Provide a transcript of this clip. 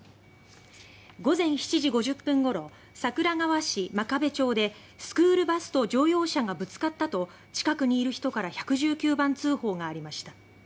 午前７時５０分ごろ桜川市真壁町でスクールバスと乗用車がぶつかったと近くにいる人から１１９番通報がありました。